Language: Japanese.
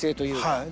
はい。